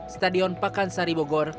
stadion pakan sari bogor